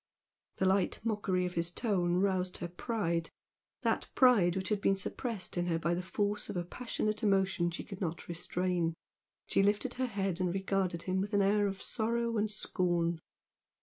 The light mockery of his tone roused her pride, that pride which had been suppressed in her by the force of a passionate emotion she could not restrain. She lifted her head and regarded him with an air of sorrow and scorn.